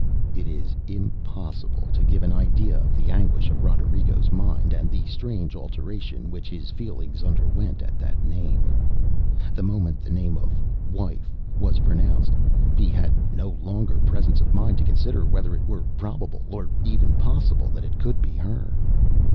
ŌĆØ It is impossible to give an idea of the anguish of RoderigoŌĆÖs mind and the strange alteration which his feelings underwent at that name. The moment the name of ŌĆ£wifeŌĆØ was pronounced, he had no longer presence of mind to consider whether it were probable, or even possible, that it could be her.